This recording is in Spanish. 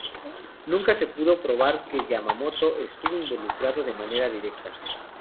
Nunca se pudo probar que Yamamoto estuvo involucrado de manera directa.